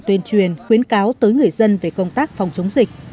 tuyên truyền khuyến cáo tới người dân về công tác phòng chống dịch